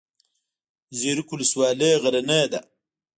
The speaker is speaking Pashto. زیروک ولسوالۍ غرنۍ ده؟